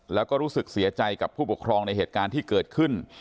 แล้วก็รู้สึกเสียใจกับผู้ปกครองในเหตุการณ์ที่เกิดขึ้น